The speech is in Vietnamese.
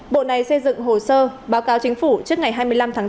bộ này xây dựng hồ sơ báo cáo chính phủ trước ngày hai mươi năm tháng bốn